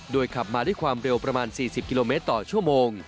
ขับมาด้วยความเร็วประมาณ๔๐กิโลเมตรต่อชั่วโมง